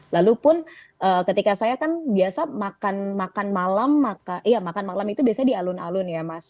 lalu pun ketika saya kan biasa makan malam maka iya makan malam itu biasanya di alun alun ya mas